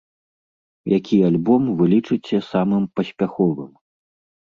Які альбом вы лічыце самым паспяховым?